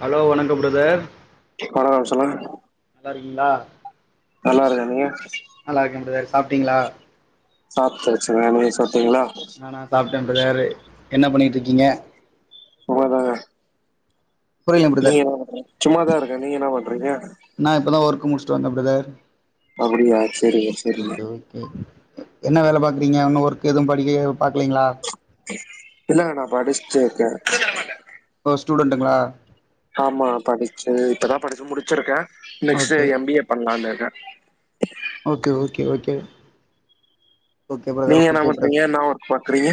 Hello வணக்கம் brother வணக்கம் சொல்லுங்க நல்லாருக்கீங்ளா நல்லாருக்கே நீங்க நல்லாருகே பிரதர் சாப்டீங்ளா சாப்டாச்சுங்க நீங்க சாப்டீங்ளா நானா சாப்டேன் பிரதர் என்ன பண்ணிட்டுருக்கீங்க சும்மாதாங்க புரியல பிரதர் நீங்க என்ன சும்மாதா இருக்க நீங்க என்னா பண்றீங்க நா இப்பதான் ஒர்க் முடிச்சிட்டு வந்தேன் பிரதர் அப்டியா சேரிங்க சேரிங்க ஓகே என்ன வேல பாக்குறீங்க ஒன்னு ஒர்க் எதுவும் படிக்கல பாக்கலீங்ளா இல்ல நா படிச்சுட்டு இருக்கேன் ஓ ஸ்டூடெண்ட்டுங்களா ஆமா படிச்சு இப்பதான் படிச்சு முடிச்சிருக்கேன் next okay M B A பண்ணலாம்னு இருக்கேன் okay okay okay okay brother நீங்க என்னா ஓகே பண்றீங்க பிரதர் என்னா ஒர்க் பாக்றீங்க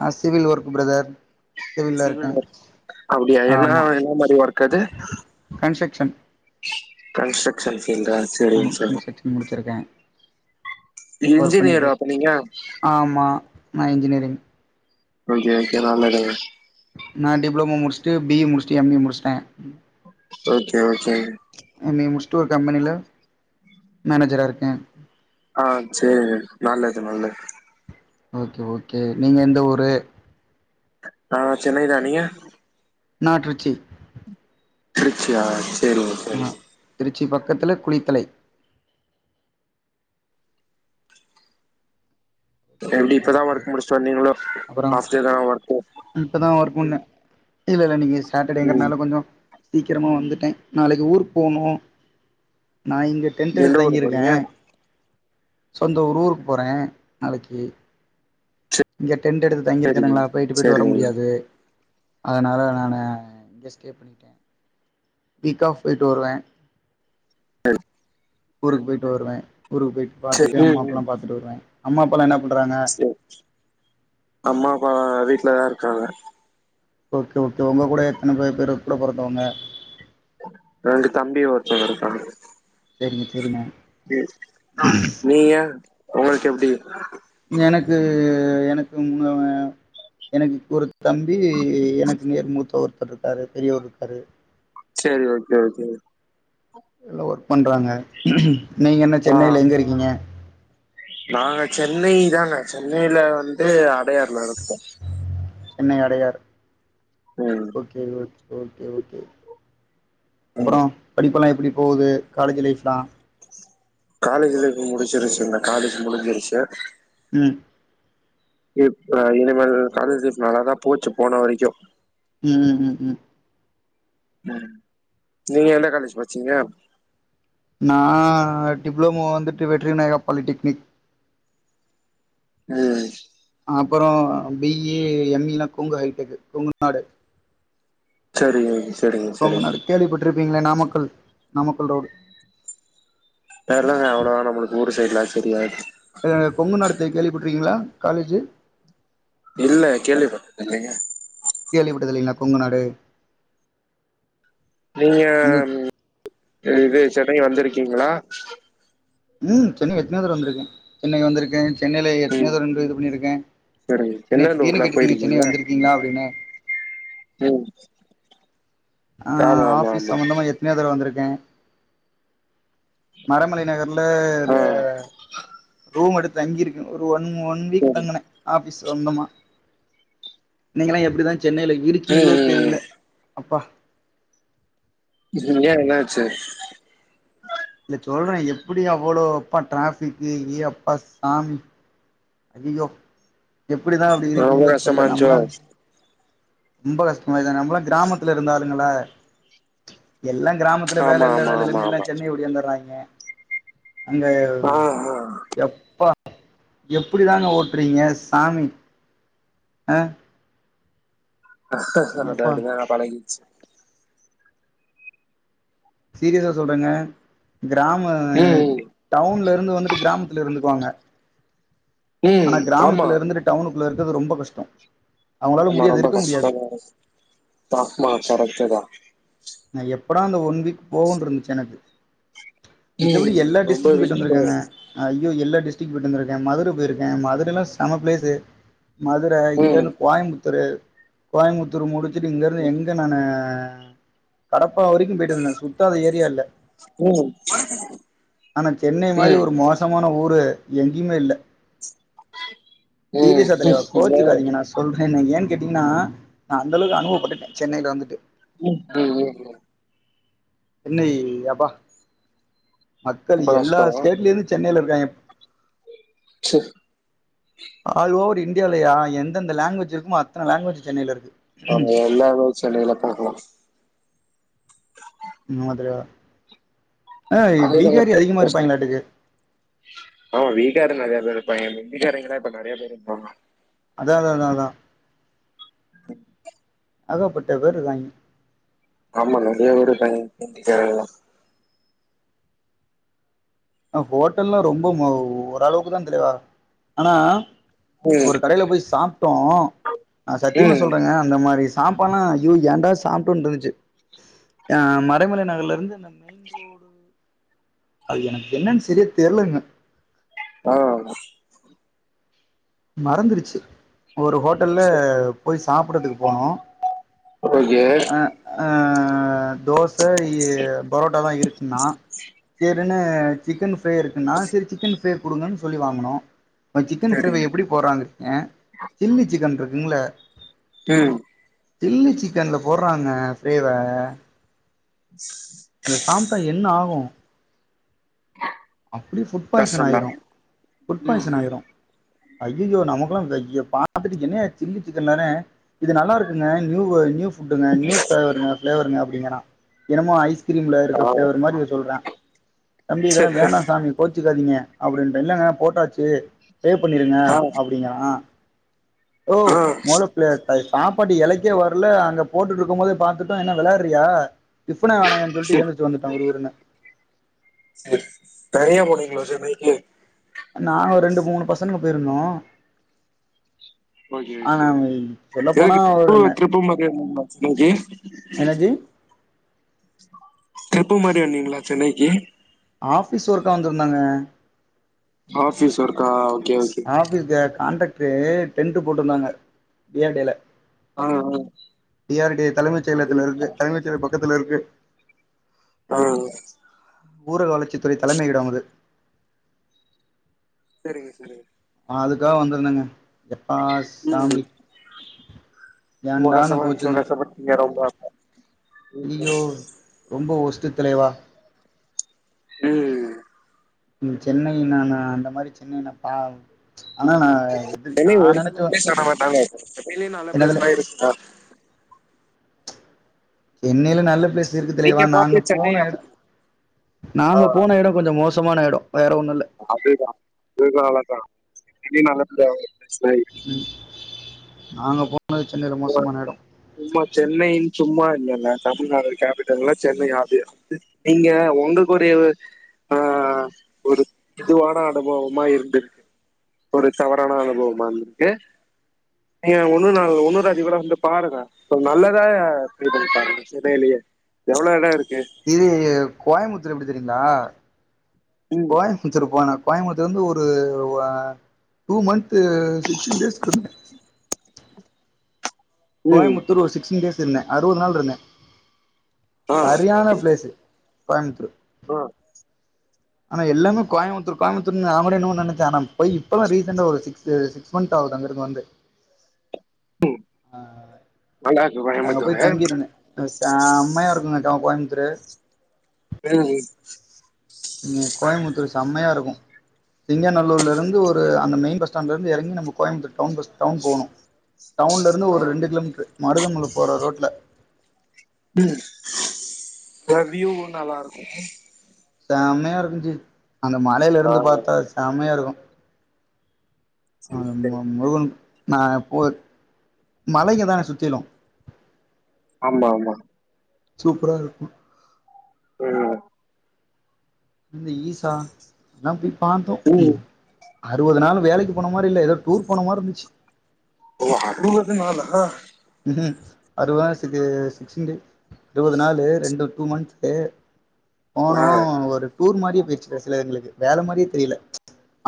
நா civil work brother civil work அப்டியா என்ன ஆமா என்ன மாரி ஒர்க் அது கன்ஸ்ட்ரக்ஷன் கன்ஸ்ட்ரக்ஷன்ஸ்லிந்த அட்மினிஸ்ட்ரேஷன் முடிச்சிருக்கே ஒர்க் பண்ணிட்டு இன்ஜினியரா இருக் அப்ப நீங்க ஆமா நா இன்ஜினியரிங் ஓகே ஓகே நல்லதுங்க நா டிப்ளமோ முடிஷ்ட்டு பி ஏ முடிஷ்ட்டு எம் ஏ முடிஷ்ட்டே ஓகே ஓகேங் எம் ஏ முட்ஷ்ட்டு ஒரு கம்பெனில மேனேஜரா இருக்கே ஆ சேரிங் நல்லது நல்லது ஓகே ஓகே நீங்க எந்த ஊரு நா சென்னை தா நீங்க நா திருச்சி திருச்சியா சேரிங்க ஆ சேரிங்க திருச்சி பக்கத்துல குளித்தலை எப்டி ஓகே இப்பதா ஓகே. ஒர்க் முடிஷ்டு வந்தீங்களோ அப்புறோ லாஸ்ட்டு இதா ஒர்க்கோ இப்பதா ஒர்க் வந்தே இல்ல இல்ல இன்னிக் ம் சேட்டடேங்கற்னால கொஞ்சோ சீக்கிரமா வந்துட்டே நாளைக்கு ஊருக் போனோ நா இங்க எந்த ரென்ட்டெடுத் ஊரு தங்கியிருக்கே போறீங்க சொந்த ஊ ஊருக் போறே நாளைக்கி இங்க டெண்டெடுத்து சேரி தங்கிருக்கனுங்களா போய்ட்டு போய்ட்டு வர சேரிங்க முடியாது அதனால நானு இங்யே ஸ்டே பண்ணகிட்டே வீக் ஆஃப் போய்ட்டு வருவே செரிங் ஊருக்கு போய்ட்டு வருவே ஊருக்கு போயிட்டு பாத்தட்டு சேரி அம்மா ம் ம் அப்பால்லா பாத்துட்டு வருவே அம்மா அப்பால்லா என்ன பண்றாங்க அம்மா அப்பா வீட்லதா இருக்காங்க ஓகே ஓகே உங்க கூட எத்தன பேர் பேரு கூட பொறந்தவங்க ரெண்டு தம்பி ஒருத்தங்க இருக்காங்க சேரிங்க சேரிங்க நீ நீங்க உங்களுக் எப்டி எனக்கு எனக்கு முன்னவ எனக்கு ஒரு தம்பி எனக்கு நேர் மூத்த ஒருத்தர் ருக்காரு பெரியவர் ருக்காரு செரி ஓகே ஓகே எல்லா ஒர்க் பண்றாங்க நீங்க என்ன ஆ சென்னையில எங்க இருக்கீங்க நாங்க சென்னை தாங்க சென்னையில வந்து அடையாற்ல இருக்கோ சென்னை அடையாற் ம் ஓகே ஓகே ஓகே ஓகே ம் அப்பறோ படிப்பெல்லா எப்படி போகுது காலேஜு லைஃப்லா காலேஜு லைஃபு முடிச்சிருச்சுங்க காலேஜ் முடிஞ்சிருச்சு ம் இப்ப இனிமேல் காலேஜ் லைஃப் நல்லாதா போச்சு போன வரைக்கு ம் ம் ம் ம் ம் நீங்க எந்த காலேஜ் பட்ச்சீங்க நா டிப்ளமோ வந்துட்டு வெற்றிநாயகா பாலிடெக்னிக் ம் அப்பறோ பி ஈ எம் ஈ லா கொங்கு ஹைடெக் கொங்கு நாடு செரி கொங்குநாடு கேள்விப்பட்ருப்பீங்களே நாமக்கல் நாமக்கல் ரோடு தெர்லங்க அவ்ளோவா நமளுக்கு ஊரு சைட்லா தெரியாது த கொங்கு நாடு த கேள்விபட்ருக்கீங்களா காலேஜு இல்ல கேள்விபட்டதில்லங்க கேள்விபட்டதில்லங்ளா கொங்கு நாடு நீங்க இந்த இது சென்னைக் வந்திருக்கீங்களா ம் சென்னைக் எத்தனையோ தடவ வந்துருக்கே சென்னைக் வந்துருக்கே சென்னைல எத்தனையோ ம் தடவ நின்று இது பண்ணிருக்கே சரிங்க சென்னை எந்தெந்த திடீர்னு ஊர்லா கேட்டுட்டீங்க போயிருக்கீங்க சென்னை வந்துருக்கீங்களா அப்டின்னு ம் ஆ ஆமா ஆமா ஆஃபீஸ் ஆமா சம்மந்தமா எத்தனையோ தடவ வந்துருக்கே மரமலை நகர்ல இரு ஆ ரூம் எடுத்து தங்கிருக்கே ஒரு ஒன் ஒன் வீக் சரி தங்குனே ஆஃபிஸ் சம்மந்தமா நீங்களா எப்டிதா சென்னைல இருக்கீங்களோ ம் ம் தெரில அப்பா ஏ என்னாச்சு இல்ல சொல்றே எப்டி அவ்வளோ அப்பா டிராஃபிக்கு ஏ அப்பா சாமி ஐயயோ எப்டிதா அப்டி ரொம்ப இருக்கீங்களோ கஷ்டமா தெர்ல இருந்துச்சோ நம்மளா ரொம்ப கஷ்டமாய்தா நம்மளா கிராமத்துல இருந்தாளுங்களா எல்லா கிராமத்துல ஆமா வேல இல்ல ஆமா வேல ஆமா இல்ன்னு எல்லா ஆமா சென்னை ஓடியாந்தர்ராய்ங்க அங்க ஆ ஆ எப்பா எப்டி தாங்க ஓட்றீங்க சாமி ஆ அது எப்பா அப்டிதாங்க பழகிற்ச்சு சீரியஸா சொல்றங்க கிராம ம் டவுன்ல இருந்து வந்துட்டு கிராமத்துல இருந்துக்குவாங்க ஆனா ம். ஆமா. கிராமத்துல இருந்துட்டு டவுனுக்குள்ள இருக்குறது ரொம்ப கஷ்டோ அவூங்களால முடியாது இருக்க முடியாது பா மா கரெக்டுதா நா எப்படா அந்த ஒன் வீக் போகுன்ருந்துச்சு எனக்கு மித்தபடி ம். எல்லா ரொம்ப டிஷ்டிக்கு போயிட்டு வெயிலு. வந்துருக்கங்க ஐய்யோ எல்லா டிஸ்டிக்கு போய்ட்டு வந்துருக்கே மதுர போயிருக்கே மதுரேல்லா செம ப்ளேசு மதுர ம். இங்கருந்து கோயம்புத்தூரு கோயமுத்தூர் முடுச்சுட்டு இங்க இருந்து ம். எங்க நானு கடப்பா வரைக்கு போயிட்டு வந்துதே சுத்தாத ஏரியா இல்ல ம். ஆனா சென்னை ம். ம். ம். மாரி ஏன்? ஒரு மோசமான ஊரு எங்கயுமே இல்ல சீரியஸா தலைவா ம். கோச்சுக்காதீங்க நா சொ சொல்றேனு ஏன் கேட்டீங்கன்னா நா அந்தளவுக்கு அனுபவப்பட்டுட்டே சென்னைல வந்துட்டு ம் [unintelligible] சென்னை எப்பா மக்கள் ரொம்ப எல்லா கஷ்டம். ஸ்டேட்ல இருந்து சென்னைல இருக்காய்ங்க சு ஆல் ஓவர் இந்டியால யா எந்தெந்த லாங்குவேஜ் இருக்குமோ அத்தன லாங்குவேஜு சென்னைல இருக்கு ஆமா எல்லாருமே சென்னைல தா இருக்காங்க அதுல ஆ அதே பீஹாரி அதிகமா தான். இருப்பாங்களாட்டுக்கு ஆமா பீகார் நெறையா பேரு இருப்பாய்ங்க இந்த ஹிந்தி காரங்களா இப்ப நெறையா பேரு இருப்பாங்க அதா அதா அதா அதா சரி ஏகப்பட்ட பேரு இருக்காய்ங்க ஆமா நெறையா பேரு இருக்காங்க ஹிந்தி காரங்களா ஆ ஹோட்டல்ல ரொம்ப ம ஓரளவுக்குதா தலைவா ஆனா ஒரு ம். கடையில போய் சாப்ட்டோ சத்தியமா ம். சொல்றேங்க இந்த மாரி சாப்பாலா ஐயோ ஏண்டா சாப்டோனு இருந்துச்சு அ மறைமலை நகர்ல இருந்து இந்த அது எனக்கு என்னன் சரியா தெர்லுங்க ஆ மறந்துருச்சு ஒரு ஹோ ட்டல்ல சரி. போய் சாப்படுறதுக்கு போனோ ஓகே. அ அ தோச இ பரோட்டாலா இருக்குன்னா சேரினு சிக்கன் ஃப்ரே இருக்குன்னா செரி சிக்கன் ஃபிரே குடுங்கன்னு சொல்லி வாங்குனோ அ சிக்கன் சரி. ஃப்ரேவ எப் ப்டி போறான் வெச்சுங்க சில்லி சிக்கன் இருக்குங்ள ம் சில்லி சிக்கன்ல போடறாங்க ஃபிரேவ அத சாப்ட்டா என்ன ஆகு அப்டியே ஃபுட் பாய்சன் கஷ்டம் தான். ஆயிரு ஃபுட் ம். பாய்சன் ம். ஆயிரு ஐயயோ நமக்குலா வெ ய பாத்துட்டு என்னயா சில்லி சிக்கன்தானே இது நல்லாருக்குங்க நியூவ் நியூ ஃபுட்டுங்க நியூ ஃபேவருங்க ஃப்ளேவருங்க அப்படிங்கறா என்னமோ ஐஸ் கிரீம்ல இருக்க ஆ. ஃபேவர் மாரி இத சொல்றா தம்பி இதல்லா சரி. வேணா நீங் கோச்சுக்காதிங்க அப்டின்ட்ட இல்லங்க போட்டாச்சு பே பண்ணிருங்க ஆ அப்டிங்கறா ஓ ஆ மொதல பிளே ப சாப் பாடு எலைக்கே வரல அங்க போட்டுட்ருக்கும் போதே பாத்துட்டோ என்ன வெளாடுறியா டிஃபனே வேணாயான் சொல்ட்டு சேரி எந்திரிச்சி வந்துட்ட ஒரு ஊரன செர் தனியா போனிங்ளா சென்னைக்கு நாங்க ரெண்டு மூணு பசங்க போயிருந்தோ ஓகே ஆனா ஓகே சொல்ல போனா எனக்கு ஒரு ட்ரிப்பு ட்ரிப்பு [unintelligible] என்னஜி ட்ரிப்பு மாரி வந்திங்ளா சென்னைக்கு ஆஃபிஸ் ஒர்க்கா வந்திருந்தங்க ஆஃபீஸ் ஒர்க்கா ஓகே ஓ ஆஃபீஸ்ல காண்ட்ராக்டு டென்ட் போட்ருந்தாங்க டி ஆர் டே ல ஆ ஆ டி ஆர் டே தலைமைச் அது செயலத்துல இருக்கு தலைமைச் செயலக பக்கத்துல இருக்கு ஆ ஊரக வளர்ச்சி துறை தலைமையிட அது செரிங்க செரிங்க அதுக்காக வந்துருந்தங்க எப்பா சாமி ரொம்ப ஏண்டானு கஷ்டமா போச்சுங்க [unintelligible] ரொம்ப ம் ஐயோ ரொம்ப ஒர்ஸ்ட்டு தலைவா ம் சென்னை நாம அந்த மாரி சென்னை ந பா ஆனா நா எதிரி நா நெனைச்ச காட்ட மாட்டாங்க [unintelligible] நல்ல பிளேஸ்தா இருக் பா சென்னையில நல்ல பிளேஸ் இருக்கு தலைவா நீங்க நாங்க பாத்த சென்னை போன எடோ அப்டி ஆ நாங்க போன எடோ கொஞ்ச மோ சமான எடோ வேற ஒண்ணு இலை அதுதா [unintelligible] [unintelligible] சேரி ம் நாங்க போனது சென்னையில இருக்கு மோசமான எடோ சும்மா சென்னைன் சும்மா இல்லல்ல தமிழ்நாடு கேபிட்டல் எல்லா சென்னை அது நீங்க உங்களுக்குரிய ஆ ஒரு இதுவான அனுபவமா இருந்துர்க்கு ஒரு தவறான அனுபவமா இருந்துர்க்கு நீங்க ஒன்னு நாள் ஒண்ணுதா நீங் கூட வந்து பாருங்க நல்லதா பே பண்ணி பாருங்க சென்னையிலயே எவ்ளோ எடோ இருக்கு இது கோயம்புத்தூர் எப்படி தெரியீங்களா ம் கோயமுத்தூர் போனா கோயம்புத்துர்லேந்து ஒரு அ டூ மன்த்து சிக்ஸ்டீன் டேஸ் இருந்தே ம் கோயம்புத்தூர் ஒரு சிக்ஸ்டீன் டேஸ் இருந்தே அறுவது நாள் இருந்தே ஆ சரியான பிளேஸ்சு கோயம்புத்துரு ஆ ஆனா எல்லாமே கோயமுத்தூர் கோயமுத்தூர்னு நா கூட என்னமோ நெனச்ச ஆனா போய் இப்பதா ரீசெண்டா ஒரு சிக்ஸ் ச சிக்ஸ் மந்த் ஆகுது அங்கிருந்து வந்து ம் நல்லாருக்கு அங்க போய் கோயம்புத்தூரு தங்கிருந்தே செம்மையா இருக்கு மச்சா கோயமுத்தூரு ம் ங்க கோயம்புத்தூரு செம்மையா இருக்கு சிங்காநல்லூர்லருந்து ஒரு அந்த மெயின் பஸ்ஸ்டண்டலருந்து எறங்கி நம்ம கோயம்பத்தர் டவுன் பஸ் டவுன் போணு டவுன்ல இருந்து ஆ ஒரு ரெண்டு கிலோமீட்டரு மருதமுல போற ரோட்ல ம் வியூவு நல்லா இருக்கு செம்மையா இருக்கு ஜி அந்த மலையில ஆ இருந்து பார்த்தா செமையா இருக்கு அ சரி சரி மு முருகனு ந போ மலைங்க தானே சுத்திலு ஆமா ஆமா சூப்பரா இருக்கு ம் இந்த ஈஸா லா போய் பாத்தோ ம் அறுவது நாள் வேலைக்கு போன மாரி இல்ல எதோ டூர் போன மாரு இருந்துச்சு [unintelligible] ம் ஹ அருவ சிது சிக்ஸ்டீன் டே இருவது நாலு ரெண்டு டூ மந்ஸ்து போனோ ஆ ஒரு டூர் மாரி போய்ர்ச்சு கடைசில எங்களுக்கு வேல மாரியே தெரியல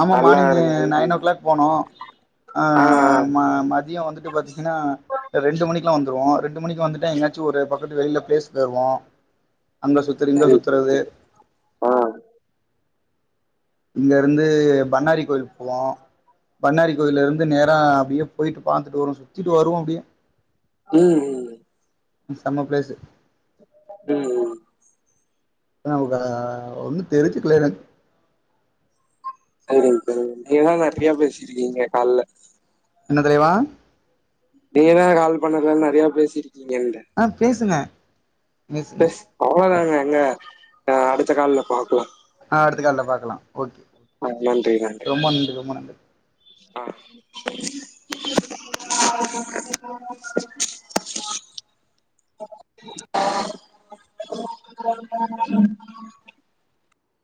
ஆமா நல்லா மார்னிங்கு இரு நல்லா நைன் ஓ இரு கிளாக் போனோ ஆ ம மதியோ வந்துட்டு பாத்தீங்கன்னா ரெண்டு மணிக்கெல்லா வந்துருவோ ரெண்டு மணிக்கு வந்துட்டா எங்கயாச்சு ஒரு பக்கத்து வெளியில பிளேஸ்க் வருவோ அங்க சுத் தறது இங்க சரி சரி சுத்தறது சரி ஆ இங்க இருந்து பண்ணாரி கோயிலுக் போவோ பண்ணாரி கோயிலருந்து நேரா அப்படியே போயிட்டு பாத்துட்டு வருவோ சுத்திட்டு வருவோ அப்படியே ம் ம் செம்ம பிளேஸ்சு ம் ம் [unintelligible] ஒன்னு தெரிஞ்சுக்கல எனக்கு சரி சரி நீங்கதா நறைய பேசிருக்கீங்க கால்ல என்ன தலைவா நீங்க தா கால் பண்ணறதா நறையா பேசிருக்கீங்கன்ட ஆ பேசுங்க பேசுங்க அவ்ளதாங்க எங்க அ அடுத்த கால்ல பாக்லா ஆ அடுத்த கால்ல பாக்கலா ஓகே ஆ நன்றி நன்றி ரொம்ப நன்றி ரொம்ப நன்றி ஆ [unintelligible] [unintelligible]